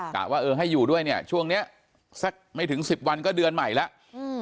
ว่าเออให้อยู่ด้วยเนี่ยช่วงเนี้ยสักไม่ถึงสิบวันก็เดือนใหม่แล้วอืม